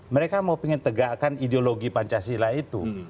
mereka mau pengen tegakkan ideologi pancasila itu